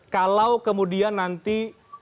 kalau kemudian nanti